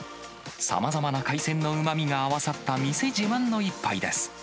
さまざまな海鮮のうまみが合わさった店自慢の一杯です。